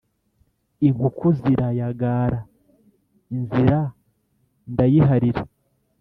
inkuku zirayagara, inzira ndayiharira,